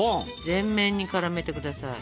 全面にからめてください。